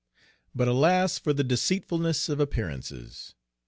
But alas for the deceitfulness of appearances!